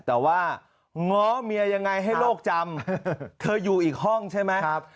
แต่ว่าง้อเมียยังไงให้โลกจำเธออยู่อีกห้องใช่ไหม